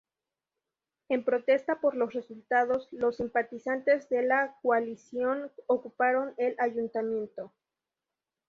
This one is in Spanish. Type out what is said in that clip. En protesta por los resultados, los simpatizantes de la Coalición ocuparon el Ayuntamiento.